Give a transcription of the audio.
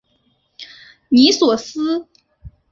尼索斯。